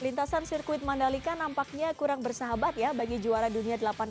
lintasan sirkuit mandalika nampaknya kurang bersahabat ya bagi juara dunia delapan belas